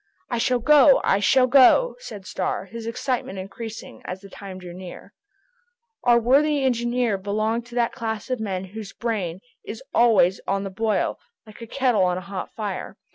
"I shall go, I shall go!" said Starr, his excitement increasing as the time drew near. Our worthy engineer belonged to that class of men whose brain is always on the boil, like a kettle on a hot fire.